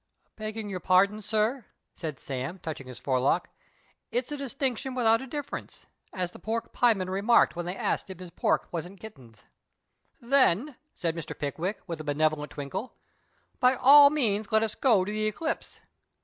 " Beggin' your pardon, sir," said Sam, touching his forelock, " it's a distinction without a difference — as the j)ork pieman remarked when they asked him if his pork wasn't kittens." " Then," said Mr, Pickwick, with a benevolent twinkle, " by all means let us go to The Eclipse.''